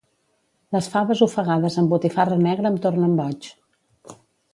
Les faves ofegades amb botifarra negra em tornen boig.